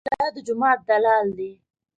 ملا د جومات دلال دی.